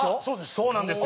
そうなんですよ。